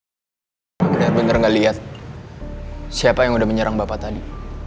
mbak adin bener bener gak liat siapa yang udah menyerang bapak tadi